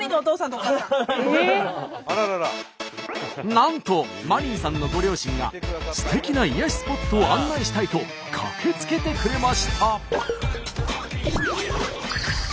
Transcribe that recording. なんと麻鈴さんのご両親がすてきな癒やしスポットを案内したいと駆けつけてくれました。